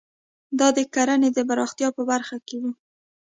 دا د کرنې د پراختیا په برخه کې وو.